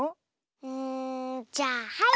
うんじゃあはい！